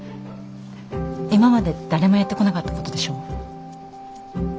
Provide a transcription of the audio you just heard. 今まで誰もやってこなかったことでしょ。